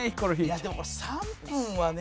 いやでもこれ３分はね。